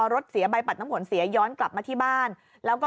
รถเสียใบปัดน้ำขนเสียย้อนกลับมาที่บ้านแล้วก็